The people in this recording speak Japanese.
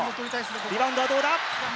リバウンドはどうだ？